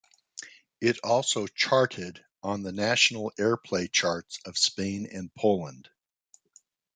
It also charted on the national airplay charts of Spain and Poland.